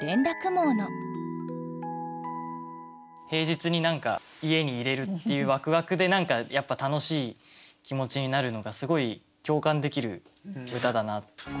平日に家にいれるっていうワクワクで何かやっぱ楽しい気持ちになるのがすごい共感できる歌だなと。